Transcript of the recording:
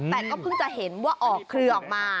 แต่ก็เพิ่งจะเห็นว่าออกเครือออกมา